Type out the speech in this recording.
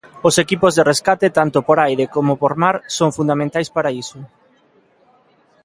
Os equipos de rescate, tanto por aire como por mar, son fundamentais para iso.